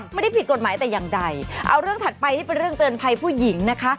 ไม่ได้ผิดกฎหมายแต่อย่างใดเอาเรื่องถัดไปที่เป็นเรื่องเตือนภัยผู้หญิงนะคะ